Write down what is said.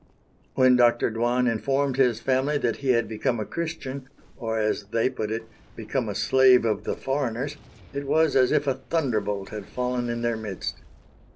When Dr. Dwan informed his family that he had become a Christian, or as they put it, "become a slave of the foreigners," it was as if a thunder bolt had fallen in their midst.